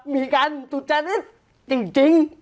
มีการสุจริตจริง